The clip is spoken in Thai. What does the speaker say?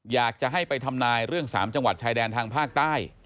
อยากจะให้ไปทำนายเรื่อง๓จังหวัดชายแดนทางภาคใต้